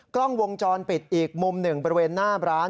กล้องวงจรปิดอีกมุมหนึ่งบริเวณหน้าร้าน